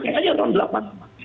kayaknya tahun delapan puluh an